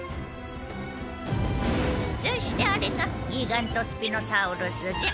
そしてあれがギガントスピノサウルスじゃ。